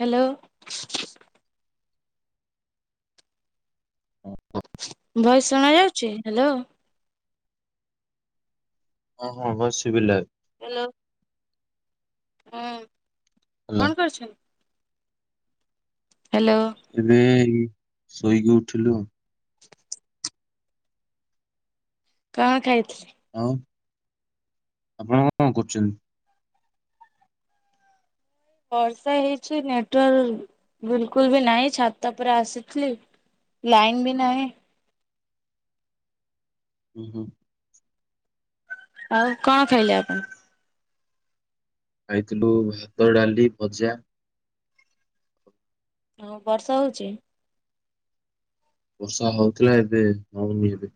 Hello. [inaudible] Voice ଶୁଣା ଯାଉଛି hello. ହଁ ହଁ ଅବ ସୁଭିଲା। ହ୍ୟାଲୋ। ହୁଁ ହାଲୋ କଣ କରୁଛ? ହ୍ୟାଲୋ। ଏବେ ଶୋଇକି ଉଠିଲୁ। କଣ ଖାଇଥିଲେ? ହଁ ଆପଣ କଣ କରୁଛନ୍ତି? ବର୍ଷା ହଉଛି ନେଟୱାର୍କ ବିଲକୁଲ ବି ନାହିଁ ଛାତ ଉପରେ ଆସିଥିଲି। ଲାଇନ ବି ନାହିଁ। ହୁଁ ହୁଁ। ଆଉ କଣ ଖାଇଲେ ଆପଣ? ଖାଇଥିଲୁ ଭାତ ଡାଲି ଭଜା। ହଁ ବର୍ଷା ହଉଛି। ବର୍ଷା ହଉଥିଲା ଏବେ ହଉନି ଏବେ।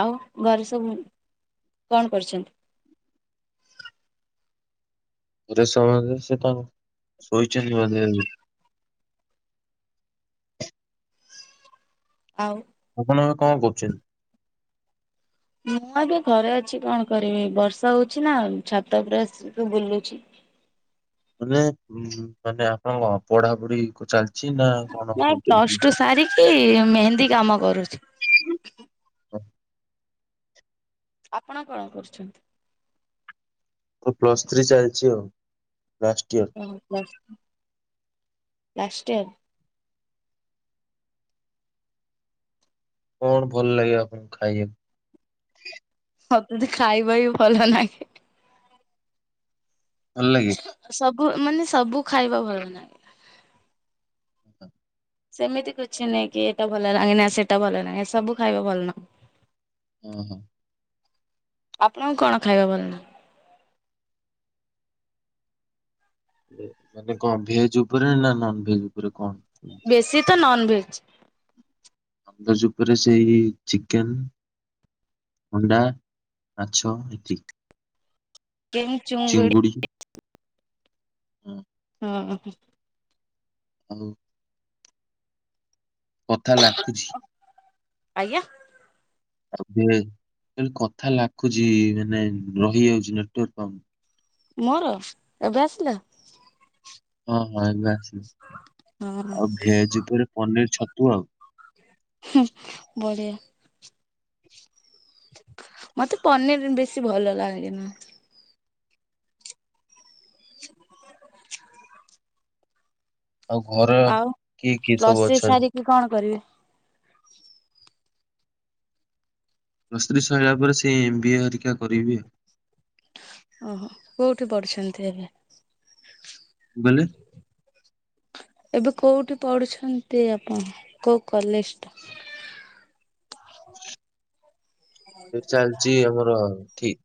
ଆଉ ଘରେ ସବୁ କଣ କରୁଛନ୍ତି? ଘରେ ସମୟରେ ସେ ତା ଶୋଇଛନ୍ତି ବୋଧେ ଏବେ। ଆଉ। ଆପଣ ଏବେ କଣ କରୁଛନ୍ତି? ମୁଁ ଏବେ ଘରେ ଅଛି କଣ କରିବି ବର୍ଷା ହଉଛି ନା ଛାତ ଉପରେ ଆସିକି ବୁଲୁଛି। ମାନେ ମାନେ ଆପଣଙ୍କ ପଢାପଢି ଚାଲିଛି ନା କଣ କୋଉଠି? ଏଇ ମେହେନ୍ଦୀ କାମ କରୁଛି। [inaudible] ଆପଣ କଣ କରୁଛନ୍ତି? ମୋର ପ୍ଲସ୍ ଥ୍ରୀ ଚାଲିଛି ଆଉ ଲାଷ୍ଟ ଇୟର। ଓହୋ ଲାଷ୍ଟ ଇୟର। କଣ ଭଲ ଲାଗେ ଆପଣଙ୍କୁ ଖାଇବାକୁ? ମତେ ତ ଖାଇବା ବି ଭଲ ଲାଗେ। ଭଲ ଲାଗେ? ସବୁ ମାନେ ସବୁ ଖାଇବା ଭଲ ନାଗେ। ସେମିତି କିଛି ନାଇଁ କି ଏଟା ଭଲ ଲାଗେ ନା ସେଟା ଭଲ ଲାଗେ ସବୁ ଖାଇବା ଭଲ ନାଁ। ହୁଁ ହୁଁ। ଆପଣଙ୍କୁ କଣ ଖାଇବା ଭଲ ନାଗେ? ମାନେ କଣ ଭେଜ ଉପରେ ନା ନନଭେଜ୍ ଉପରେ କଣ? ସିିଏ ତ ନନ ଭେଜ୍। ଭେଜ ଉପରେ ସେଇ ଚିକେନ ଅଣ୍ଡା, ମାଛ ଏତିିକି। କେଉଁ ଚୁଙ୍ଗୁଡ଼ି? ହଁ, ହଁ। ହାଲୋ। କଥା ଲାଗୁଛି। ଆଜ୍ଞା। ଆବେକଥା ଲାଗୁଛି ମାନେ ରହିଯାଉଛି ନେଟୱର୍କ ପାଉନାହିଁ। ମୋର ଏବେ ଆସିଲା? ହଁ ହଁ ଏବେ ହଁ ଆସିବ ଆଉ ଭେଜ ଉପରେ ପନିର ଛତୁ ଆଉ। ହୁଁ ବଢ଼ିଆ। ମତେ ପନିର ବେଶୀ ଭଲ ଲାଗେ ନା। [inaudible] ଆଉ ଘରେ କିଏ କିଏ ସବୁ ଅଛନ୍ତି? କି କଣ କରିବେ? ପ୍ଲସ ଥ୍ରି ସରିଲା ପରେ ସେ ଏମ୍ ବି ଏ ହେରୀକା କରିବି ଆଉ। ଓହୋ କୋଉଠି ପଢୁଛନ୍ତି ଏବେ? ମାନେ? ଏବେ କୋଉଠି ପଢୁଛନ୍ତି ଆପଣ କୋଉ କଲେଜ ଟା? ସେ ଚାଲିଛି ଆମର କିଟ୍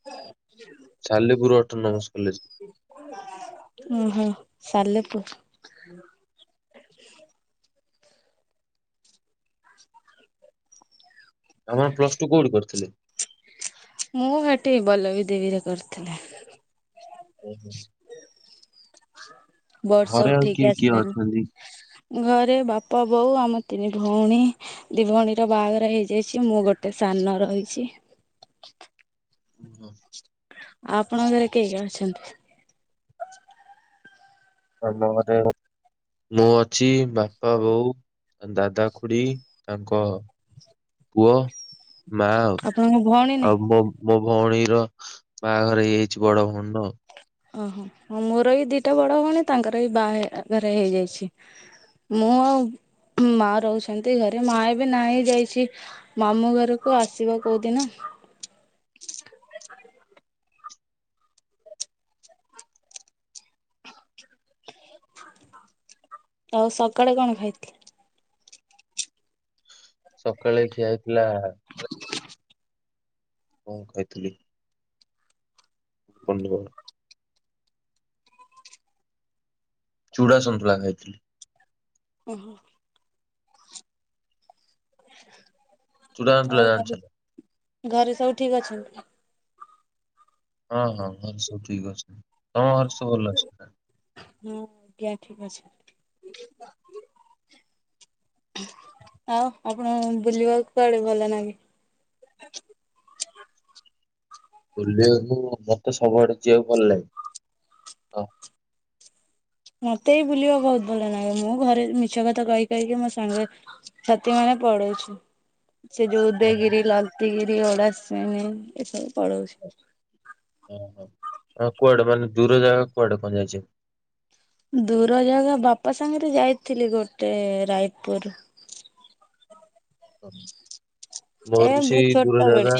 ସାଲେପୁର ଅଟୋନମସ କଲେଜ। ଉ ହୁ ସାଲେପୁର। ଆପଣ ପ୍ଲସ ଟୁ କୋଉଠି କରିଥିଲେ? ମୁଁ ହେଠି ବଲ୍ଲବୀ ଦେବୀରେ କରିଥିଲି। ଓ ହୋ। [inaudible] [inaudible] ବର୍ଷା ଘରେ ଆଉ ଉଠେଇକି କିଏ କିଏ ଅଛନ୍ତି? ଆସିଲାଣି ଘରେ ବାପା ବୋଉ ଆମ ତିନି ଭଉଣୀ ଦିଭଉଣୀର ବାହାଘର ହେଇଯାଇଛି ମୁଁ ଗୋଟେ ସାନ ରହିଛି। ଓ। ଆପଣଙ୍କ ଘରେ କେହି ଜଣ ଅଛନ୍ତି? ଆମ ଘରେ ମୁଁ ଅଛି ବାପା ବୋଉ ଦାଦା ଖୁଡ଼ି ତାଙ୍କ ପୁଅ ମା ଆପଣଙ୍କ ଭଉଣୀ ନାଇଁ ଆଉ ମୋ ମୋ ଭଉଣୀର ବାହାଘର ହେଇଯାଇଛି ବଡ ଭଉଣୀର ଆଉ। ଓହୋ ମୋର ବି ଦିଟା ବଡ ଭଉଣୀ ତାଙ୍କର ବି ବାହା ଘର ହେଇଯାଇଛି। ମୁଁ ଆଉ ମା ରହୁଛନ୍ତି ଘରେ ମା ଏବେ ନା ହେଇ ଯାଇଛି ମାମୁଁ ଘରକୁ ଆସିବ କୋଉଦିନ? ଆଉ ସକାଳେ କଣ ଖାଇଥିଲି? ସକାଳେ ଖିଆ ହେଇଥିଲା [inaudible] କଣ୍ ଖାଇଥିଲେ? ବନ୍ଧ। ଚୁଡା ସନ୍ତୁଳା ଖାଇଥିଲି। ଓହୋ। ଚୁଡା ସନ୍ତୁଳା ଆଉ ଜାଣିଛ ଘରେ ନା? -ଘରେ ସବୁ ଠିକ୍ ଅଛନ୍ତି? ହଁ -ହଁ ଘରେ ସବୁ ଠିକ୍ ଅଛନ୍ତି -ତମ ଘରେ ସବୁ ଭଲ ଅଛନ୍ତି ନା? ହଁ ଆଜ୍ଞ୍ ଠିକୁ ଅଛନ୍ତି। ଆଉ ଆପଣଙ୍କୁ ବୁଲିବାକୁ କୁଆଡେ ଭଲ ନାଗେ? ବୁଲିବାକୁ ମତେ ସବୁଆଡେ ଯିବାକୁ ଭଲ ଲାଗେ। ହଁ ମତେ ବି ବୁଲିବାକୁ ବହୁତ୍ ଭଲ ନାଗେ ମୁଁ ଘରେ ମିଛ କଥା କହି କହିକି ମୋ ସାଙ୍ଗରେ ସାଥିୀ ମାନେ ପଳେଉଛୁ। ସେ ଯଉ ହଁ ହଁ। ଉଦୟଗିରି, ଲଲ୍ତିଗିରି, ଓଳାସେଣି ଏସବୁ ପଳଉଚୁ। ଆଉ କୁଆଡେ ମାନେ ଦୂର ଜାଗା କୁଆଡେ କୁଆଡେ ଯାଇଚନ୍ତି? ଦୂର ଜାଗା ବାପା ସାଙ୍ଗେରେ ଯାଇଥିଲି ଗୋଟେ ରାୟପୁର୍। ଏ ମର୍ ବି ବହୁତ ସେଇ ଛୋଟ ଦୂର ବେଳେ ଜାଗା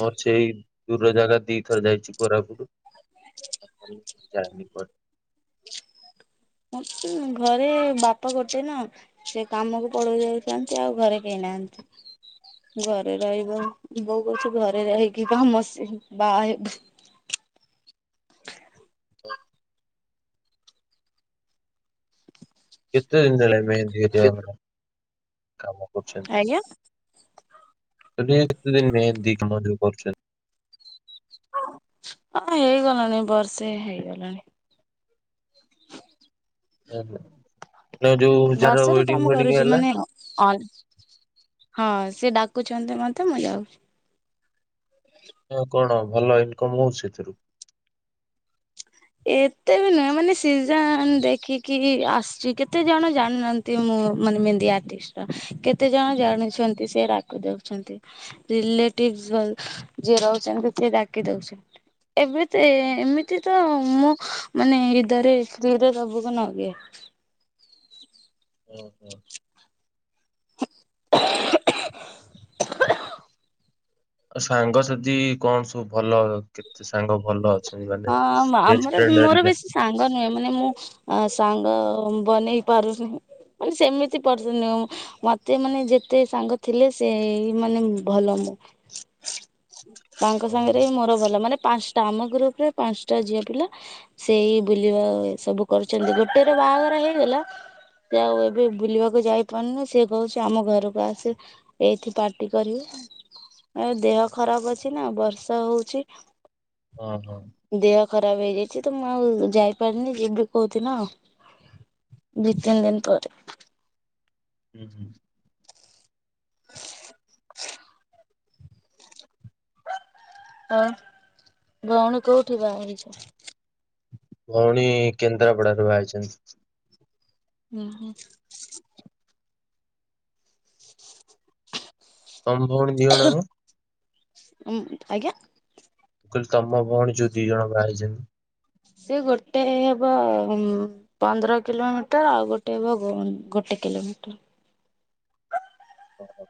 ମର୍ ସେଇ ଦୂର ଜାଗା ଦିଥର ଯାଇଚି କୋରାପୁଟୁ [unintelligible] ମତେ ଘରେ ବାପା ପଚାରି ନ ସେ କାମକୁ ପଳେଇ ଯାଇଥାନ୍ତି ଆଉ ଘରେ କେହି ନାହାନ୍ତି। ଘରେ ରହିବ ବୋଉ କଛି ଘରେ ରହିକି ବା [unintelligible] ବାହା ହେବ। ହ। ଆଜ୍ଞା [unintelligible] [unintelligible] କରୁଚନ୍ତି। ହଁ ହେଇଗଲାଣି ବର୍ଷେ ହେଇଗଲାଣି। [unintelligible] ଯଉ -‌ଯଉ ଯାହାର ବର୍ଷାରୁ ୱେଡିଙ୍ଗ୍ କାମ ଫେଡିଙ୍ଗ କରୁଛି ହେଲା। ମାନେ ଅନ୍ ହଁ- ସେ ଡାକୁଚନ୍ତି ମତେ ମୁଁ ଯାଉଚି। ହଁ କଣ ଭଲ ଇନକମ୍ ହଉଚି ଏଥିରୁ? ଏତେ ବି ନୁହେଁ ମାନେ ସିଜନ୍ ଦେଖିକି ଆସୁଚି କେତେ ଜଣ ଜାଣିନାହାନ୍ତ୍ ନ୍ତି ମୁଁ ମାନେ ମେନ୍ଦି ଆଟିଷ୍ଟ ର କେତେ ଜଣ ଜାଣିଛନ୍ତି ସେ ଡାକି ଦେଉଛନ୍ତି। ରେଲେଟିଭ୍ ଯ-ଯିଏ ରହୁଚନ୍ତି ସିଏ ଡାକି ଦଉଚନ୍ତି। ଏବେ ତ ଏମିତି ତ ମୁଁ ମାନେ ଇଦାରେ [unintelligible] ନଦିଏ। ଓ ହୁ। ଆ- ସାଙ୍ଗ ଯଦି କଣ ସବୁ ଭଲ କେତେ ସାଙ୍ଗ ଭଲ ଅଛନ୍ତି। ହଁ [unintelligible] ବେଷ୍ଟ୍ ଆମର ଫ୍ରେଣ୍ଡ୍ ମୋର ହେରିକା। ବେଶୀ ସାଙ୍ଗ ନୁହେଁ ମାନେ ମୁଁ ସାଙ୍ଗ ବନେଇ ପାରୁନି। ମାନେ ସେମିତି [unintelligible] ମତେ ମାନେ ଯେତେ ସାଙ୍ଗ ଥିଲେ ସେ ମାନେ ଭଲ ମୁଁ ତାଙ୍କ ଓହୋ ସାଙ୍ଗେରେ ବି ମୋର ଭଲ ମାନେ ପାଞ୍ଚ୍ ଟା ଆମ ଗ୍ରୁପରେ ପାଞ୍ଚ୍ ଟା ଝିଅ ପିଲା ସେଇ ବୁଲିବା ଏ ସବୁ କରୁଚନ୍ତି ଗୋଟେ ର ବାହାଘର ହେଇଗଲା ସେ ଆଉ ଏବେ ବୁଲିବାକୁ ଯାଇପାରୁନି ସେ କହୁଚି ଆମ ଘରକୁ ଆସେ ଏଇଠି ପାର୍ଟି କରିବି ଏ-ଦେହ ଖରାପ୍ ଅଛି ନା ବର୍ଷା ହଉଚି। ଓ ହୋ। ଦେହ ଖରାପ୍ ହେଇଯାଇଚି ତ ମୁଁ ଆଉ ଯାଇପାରିନି ଯିବି କଉଦିନ ଆଉ। ଦି ତିନ୍ ଦିନ୍ ପରେ। ହୁଁ ହୁଁ ଆଉ ଭଉଣୀ କଉଠି ବା ହେଇଛନ୍ତି? ଭଉଣୀ କେନ୍ଦ୍ରାପଡାରେ ବା ହେଇଛନ୍ତି। ହୁଁ ହୁଁ। ତମ ଭଉଣ ଦି ଜଣ ଯାକ? ହୁଁ ଆଜ୍ଞା। କହିଲି ତମ ଭଉଣ ଯୋଉ ଦି ଜଣ ବାହା ହେଇଛନ୍ତି? ସେ ଗୋଟେ ହେବ ଉମ୍ ପନ୍ଦର କିଲୋମିଟର ଆଉ ଗୋଟେ ହବ ଗୋ-ଗୋଟେ କିଲୋମିଟର କଣ କହ?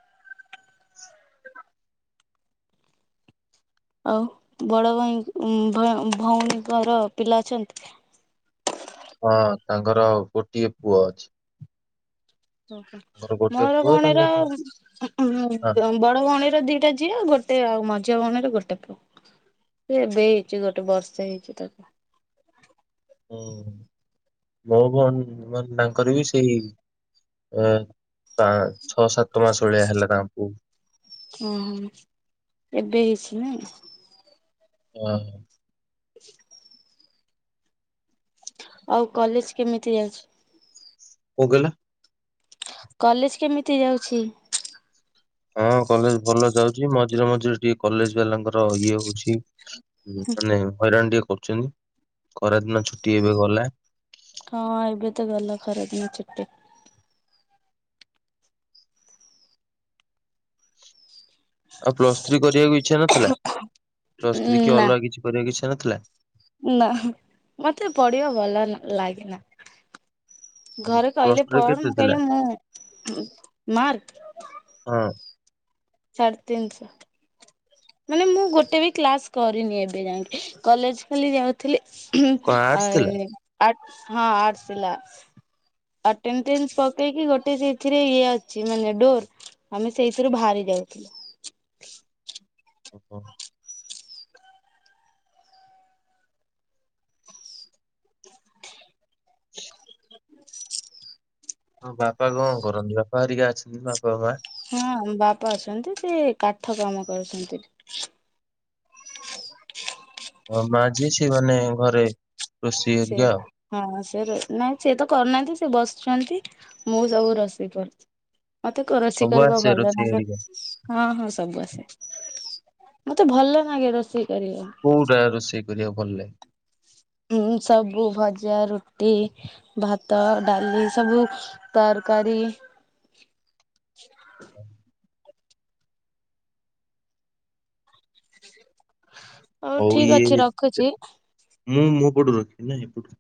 ଆଉ ବଡ ଭାଇ ଭ-ଭଉଣୀଙ୍କର ପିଲା ଅଛନ୍ତି? ହଁ ତାଙ୍କର ଗୋଟିଏ ପୁଅ ଅଛି। ଓହୋ ତାଙ୍କର ଗୋଟେ ମୋର ପୁଅ ତାଙ୍କ ଭଉଣୀର ଉଁ ଉଁ ହଁ [unintelligible] ବଡ ଭଉଣୀର ଦିଟା ଝିଅ ଗୋଟେ ଆଉ ମଝି ଭଉଣର ଗୋଟେ ପୁଅ। ଏବେ ହେଇଛି ଗୋଟେ ବର୍ଷେ ହେଇଛି ତାକୁ। ହୁଁ ମୋ ଭଣ ମାନେ ତାଙ୍କର ବି ସେଇ ଅ ପା ଛଅ ସାତ ମାସ ଭଳିଆ ହେଲା ତାଙ୍କୁ। ଓହୋ ଏବେ ହେଇଛି ନା? ହଁ। ଆଉ କଲେଜ କେମିତି ଯାଉଛି? କଣ କହିଲ। କଲେଜ କେମିତି ଯାଉଛି? ହଁ କଲେଜ ଭଲ ଯାଉଛି ମଝିରେ ମଝିରେ ଟିକେ କଲେଜ ବାଲାଙ୍କର ଇଏ ହଉଛି। ହୁଁ ମାନେ ହଇରାଣ ଟିକେ କରୁଛନ୍ତି ଖରାଦିନ ଛୁଟି ଏବେ ଗଲା। ହଁ ଏବେ ତ ଗଲା ଖରାଦିନି ଛୁଟି। ଆଉ ପ୍ଲସ୍ ଥ୍ରୀ କରିବାକୁ ଇଚ୍ଛା ନଥିଲା ପ୍ଲସ୍ ଥ୍ରୀ କି ନା ଅଲଗା କିଛି କରିବାକୁ ଇଚ୍ଛା ନଥିଲା? ନା ମତେ ପଢିବା ଭଲ ନ ଲାଗେନା। ଘରେ ପ୍ଲସ କହିଲେ ଟୁ ରେ ପଢ କେତେ ମୁଁ ଥିଲା କହିଲେ ମୁଁ ମାର୍କ ହଁ। ସାଢ଼ ତିନିଶହ। ମାନେ ମୁଁ ଗୋଟେ ବି କ୍ଲାସ କରିନି ଏବେ ଯାଇଁକି କଲେଜ ଖାଲି ଯାଉ ଥିଲି ଉଁ କଣ ଆର୍ଟସ ଆ ଥିଲା। ଇ ଆର୍ଟ ହଁ ଆର୍ଟସ୍ ଥିଲା। ଆଟେଣ୍ଟେନ୍ସ ପକେଇକି ଗୋଟେ ସେଇଥିରେ ଇଏ ଅଛି ମାନେ ଡୋର ଆମେ ସେଇଥିରୁ ବାହାରି ଯାଉଥିଲୁ। ଓହୋ। ହଁ ବାପା କଣ କରନ୍ତି ବାପା ହରିକା ଅଛନ୍ତି ବାପା ମା? ହଁ ବାପା ଅଛନ୍ତି ସେ କାଠ କାମ କରୁଛନ୍ତି। ଅ ମା ଯିଏ ସେ ମାନେ ଘରେ। ରୋଷେଇ ହେରିକା ଆଉ ସେଇଆ। ହଁ ସେ ରୋ ନାଇଁ ସିଏ ତ କରୁନାହାନ୍ତି ସେ ବସୁଛନ୍ତି ମୁଁ ସବୁ ରୋଷେଇ କରଛି। ମତେ କ ରୋଷେଇ ସବୁ କରିବା ଆସେ ଭଲ ରୋଷେଇ ଲାଗେ। ହେରିକା। ହଁ ହଁ ସବୁ ଆସେ ମତେ ଭଲ ଲାଗେ ରୋଷେଇ କରିବା। କୋଉଟା ରୋଷେଇ କରିବାକୁ ଭଲ ଲାଗେ? ହଁ ସବୁ ଭଜା, ରୁଟି ଭାତ, ଡାଲି ସବୁ ତରକାରୀ ହ। ହଉ ଠିକ ଇଏ ଅଛି ରଖୁଛି। ମୁଁ ମୋ ପଟୁ ରଖିବି ନା ଏପଟୁ।